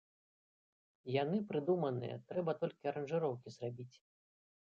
Яны прыдуманыя, трэба толькі аранжыроўкі зрабіць.